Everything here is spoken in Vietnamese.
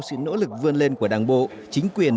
sự nỗ lực vươn lên của đảng bộ chính quyền